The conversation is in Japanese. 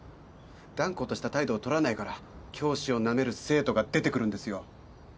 断固とした態度を取らないから教師をなめる生徒が出てくるんですよ。